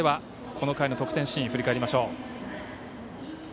この回の得点シーンを振り返ります。